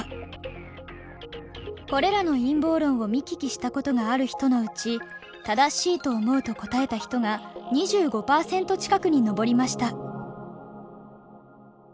これらの陰謀論を見聞きしたことがある人のうち「正しいと思う」と答えた人が２５％近くに上りました。